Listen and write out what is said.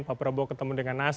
pak prabowo ketemu dengan nasdem